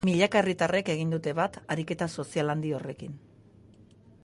Milaka herritarrek egin dute bat ariketa sozial handi horrekin.